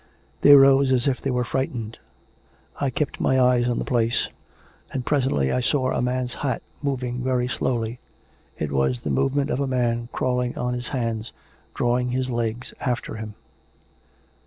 They rose as if they were frightened. I kept my eyes on the place, and presently I saw a man's hat moving very slowly. It was the movement of a man crawling on his hands, drawing his legs after him.